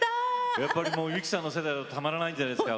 やっぱりもう由紀さんの世代だとたまらないんじゃないですか。